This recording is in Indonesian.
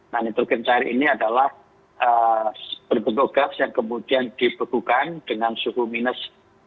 nah nitrogen cair ini adalah berbentuk gas yang kemudian dibekukan dengan suhu minus